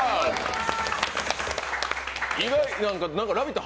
意外、「ラヴィット！」